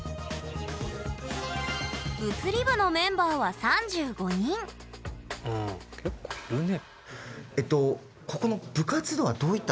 物理部のメンバーは３５人うん結構いるね。